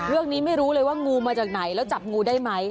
ไม่รู้เลยว่างูมาจากไหนแล้วจับงูได้ไหม